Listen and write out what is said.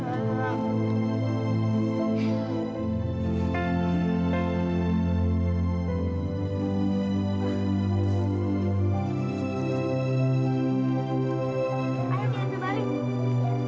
tau rasa tuh banyak banyak paus itu